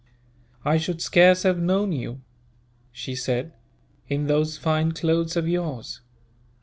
"I should scarce have known you," she said, "in those fine clothes of yours.